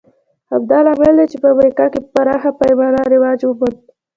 همدا لامل دی چې په امریکا کې په پراخه پینه رواج وموند